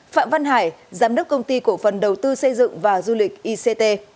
phạm văn hải giám đốc công ty cổ phần đầu tư xây dựng và du lịch ict